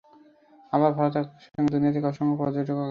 আবার ভারত একই সঙ্গে সারা দুনিয়া থেকে অসংখ্য পর্যটকও আকর্ষণ করে।